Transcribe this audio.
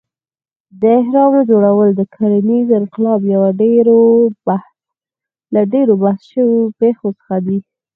د اهرامو جوړول د کرنیز انقلاب یو له ډېرو بحث شوو پېښو څخه دی.